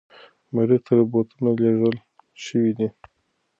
مریخ ته روباتونه لیږل شوي دي.